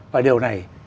và điều này